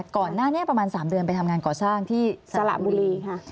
ก่อนหน้านี้ประมาณ๓เดือนไปทำงานก่อสร้างที่สระบุรีค่ะ